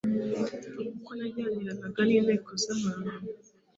uko najyaniranaga n’inteko z’abantu